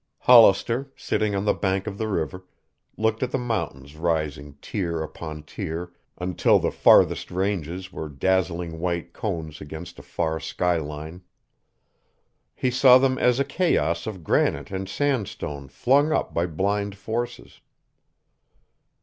Hollister, sitting on the bank of the river, looked at the mountains rising tier upon tier until the farthest ranges were dazzling white cones against a far sky line. He saw them as a chaos of granite and sandstone flung up by blind forces.